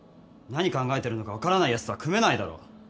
何考えてるのか分からないやつとは組めないだろ。